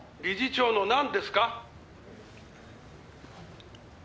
「理事長のなんですか？」